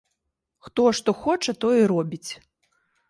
Хто што хоча, тое і робіць.